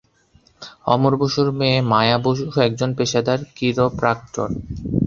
অমর বসুর মেয়ে, মায়া বসু একজন পেশাদার কিরোপ্রাকটর।